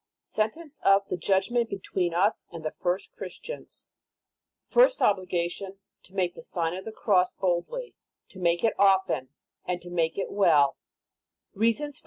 SENTENCE OF THE JUDGMENT BETWEEN us AND THE FIRST CHRIS TIANS FIRST OBLIGATION, TO MAKE THE SlGN OF THE CROSS BOLDLY, TO MAKE IT OFTEN, AND TO MAKE IT WELL REASONS FOZ.